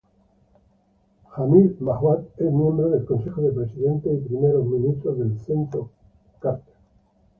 Jamil Mahuad es miembro del Consejo de Presidentes y Primeros Ministros del Centro Carter.